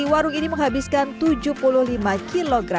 warung ini menghabiskan tujuh puluh lima kg